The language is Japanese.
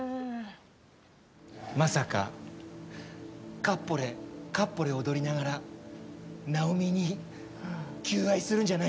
まさかかっぽれかっぽれ踊りながらナオミに求愛するんじゃないでしょうね？